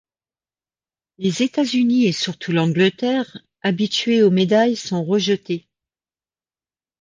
Les États-Unis et surtout l'Angleterre, habitués aux médailles, sont rejetés.